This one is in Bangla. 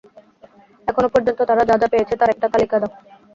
এখনও পর্যন্ত তারা যা যা পেয়েছে, তার একটা তালিকা দাও!